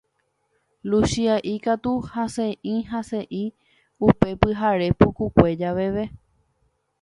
Luchia'i katu hasẽ'i hasẽ'i upe pyhare pukukue javeve.